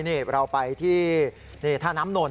นี่เราไปที่ท่าน้ำนนท